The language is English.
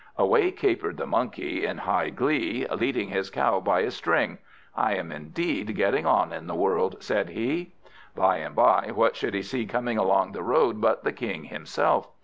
Away capered the Monkey, in high glee, leading his cow by a string. "I am indeed getting on in the world," said he. By and by, what should he see coming along the road, but the King himself.